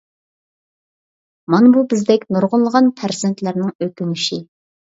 مانا بۇ بىزدەك نۇرغۇنلىغان پەرزەنتلەرنىڭ ئۆكۈنۈشى.